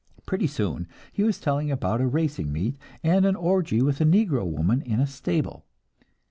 Pretty soon he was telling about a racing meet, and an orgy with negro women in a stable.